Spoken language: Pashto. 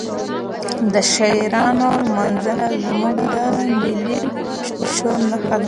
د شاعرانو لمانځنه زموږ د ملي شعور نښه ده.